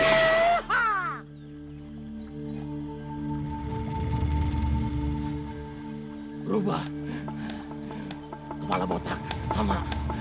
hai berubah kepala botak sama